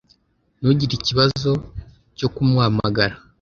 Ntugire ikibazo cyo kumuhamagara